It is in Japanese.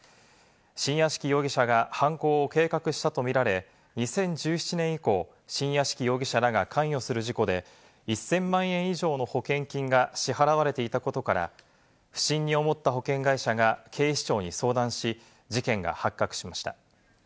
新屋敷容疑者が犯行を計画したと見られ、２０１７年以降、新屋敷容疑者らが関与する事故で１０００万円以上の保険金が支払われていたことから、不審に思った保険会社が警視庁に相談し、事件が発覚しました。